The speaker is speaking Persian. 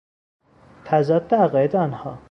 تضاد عقاید آنها